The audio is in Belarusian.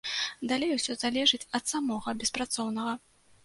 Далей ўсё залежыць ад самога беспрацоўнага.